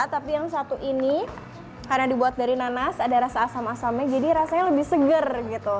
tapi yang satu ini karena dibuat dari nanas ada rasa asam asamnya jadi rasanya lebih seger gitu